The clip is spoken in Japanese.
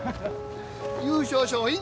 優勝賞品